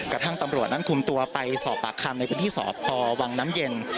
กระทั่งตำรวจนั้นคุมตัวไปสอบปากคำในพื้นที่สพวังน้ำเย็น